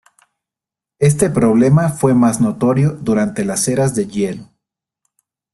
Este problema fue más notorio durante las eras de hielo.